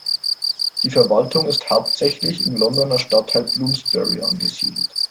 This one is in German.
Die Verwaltung ist hauptsächlich im Londoner Stadtteil Bloomsbury angesiedelt.